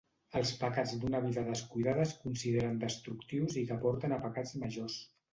Els pecats d'una vida descuidada es consideren destructius i que porten a pecats majors.